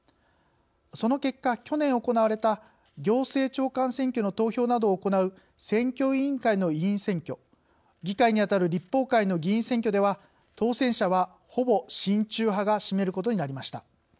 その結果、去年、行われた行政長官選挙の投票などを行う選挙委員会の委員選挙議会にあたる立法会の議員選挙では当選者は、ほぼ親中派が占めることになりました。